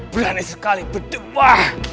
berani sekali berdua